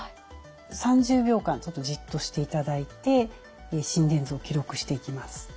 ３０秒間じっとしていただいて心電図を記録していきます。